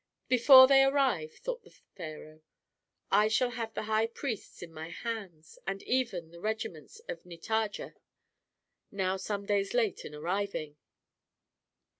"Before they arrive," thought the pharaoh, "I shall have the high priests in my hands and even the regiments of Nitager now some days late in arriving."